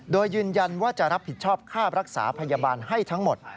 โดยยืนยันว่าจะรับผิดชอบค่ารักษาพยาบาลให้ทั้งหมด